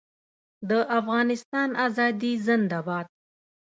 د افغانستان ازادي زنده باد.